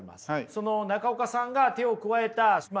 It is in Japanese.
その中岡さんが手を加えた今のゾウ。